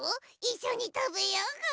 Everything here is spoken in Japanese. いっしょにたべようぐ。